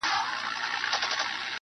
دا کمال دي د یوه جنګي نظر دی,